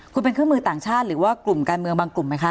คุณเป็นเครื่องมือต่างชาติหรือว่ากลุ่มการเมืองบางกลุ่มไหมคะ